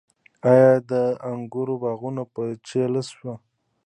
آیا د انګورو باغونه په چیله شوي؟